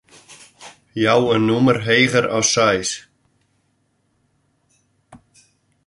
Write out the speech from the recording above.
Jou in nûmer heger as seis.